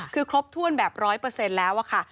คือครบถ้วนแบบร้อยเปอร์เซ็นต์แล้วค่ะ